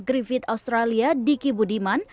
griffith australia diki budiman